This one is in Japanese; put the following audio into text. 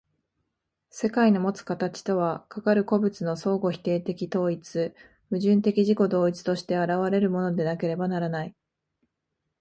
世界のもつ形とは、かかる個物の相互否定的統一、矛盾的自己同一として現れるものでなければならない。